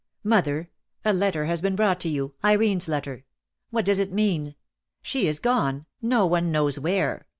"Mother, a letter has been brought to you — Irene's letter. What does it mean? She is gone — no one knows where!